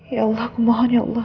ya allah aku mohon ya allah